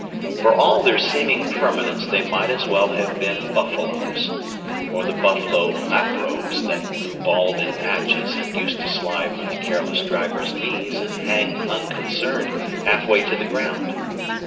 For all their seeming permanence they might as well have been buffaloes—or the buffalo laprobes that grew bald in patches and used to slide from the careless drivers' knees and hang unconcerned, half way to the ground.